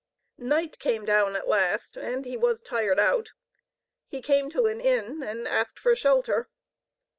Night came down at last, and he was tired out. He came to an inn and asked for shelter.